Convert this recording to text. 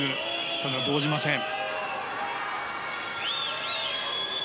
ただ、動じません。